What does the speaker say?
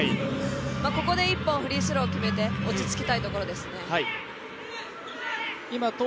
ここで１本フリースローを決めて落ち着きたいところですね。